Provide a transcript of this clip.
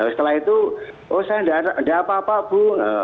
setelah itu oh saya tidak apa apa bu